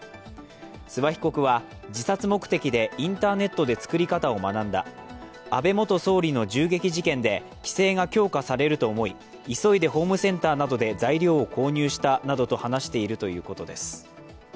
諏訪被告は、自殺目的でインターネットで作り方を学んだ安倍元総理の銃撃事件で規制が強化されると思い急いでホームセンターなどで材料を購入したなどと話しているということです。